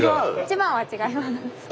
一番は違います。